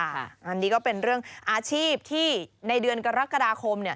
อันนี้ก็เป็นเรื่องอาชีพที่ในเดือนกรกฎาคม